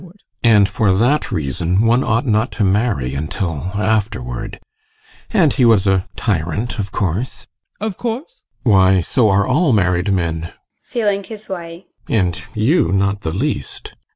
And for that reason one ought not to marry until afterward. And he was a tyrant, of course? ADOLPH. Of course? GUSTAV. Why, so are all married men. [Feeling his way] And you not the least.